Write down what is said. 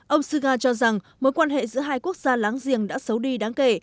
ông suga cho rằng mối quan hệ giữa hai quốc gia láng giềng đã xấu đi đáng kể